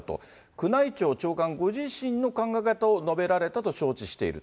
宮内庁長官ご自身の考え方を述べられたと承知している。